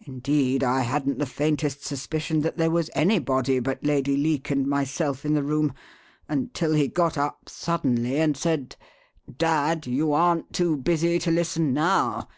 Indeed, I hadn't the faintest suspicion that there was anybody but Lady Leake and myself in the room until he got up suddenly and said, 'Dad, you aren't too busy to listen now!